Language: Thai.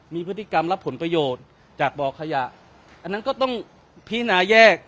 มีพฤติกรรมรับผลประโยชน์จากบ่อขยะอันนั้นก็ต้องพินาแยก